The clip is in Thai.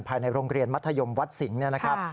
ภายในโรงเรียนมัธยมวัดสิงห์เนี่ยนะครับ